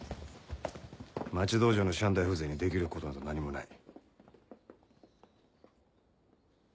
町道場の師範代風情にできることなど何もない。